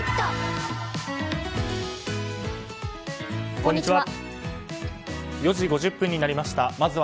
こんにちは。